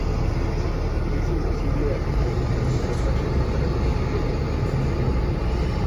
Es invisible a simple vista, pero fácilmente reconocible con pequeños telescopios.